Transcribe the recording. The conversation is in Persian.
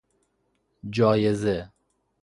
جایزه